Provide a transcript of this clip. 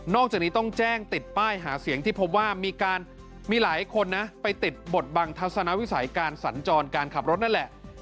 นอกจากนี้ต้องแจ้งติดป้ายหาเสียงมีละคนได้มาติดบทบังทัศนวิสัยการสันจรการขับรถนั้นแหละ